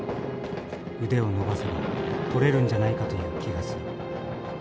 腕を伸ばせば取れるんじゃないかという気がする。